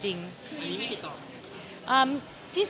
อเจมส์อันนี้ไม่ติดต่อ